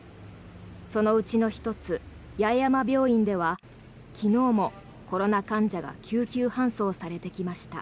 そのうちの１つ八重山病院では昨日もコロナ患者が救急搬送されてきました。